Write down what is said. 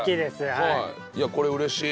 はいいやこれ嬉しい